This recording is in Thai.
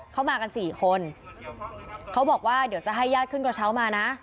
เขามากันสี่คนเขาบอกว่าเดี๋ยวจะให้ญาติขึ้นกระเช้ามานะ